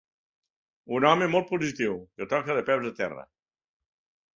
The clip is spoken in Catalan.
Un home molt positiu, que toca de peus a terra.